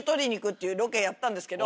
やったんですけど。